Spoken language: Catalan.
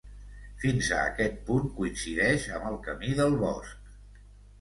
Fins a aquest punt coincideix amb el Camí del Bosc.